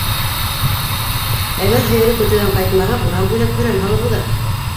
Әгәр һыйыры көтөүҙән ҡайтмаһа, урам буйлап һөрән һалып уҙа: